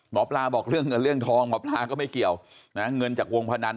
หมอปลาบอกเรื่องเงินเรื่องทองหมอปลาก็ไม่เกี่ยวนะเงินจากวงพนัน